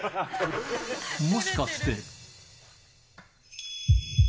もしかして。